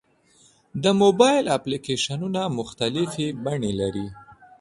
د موبایل اپلیکیشنونه مختلفې بڼې لري.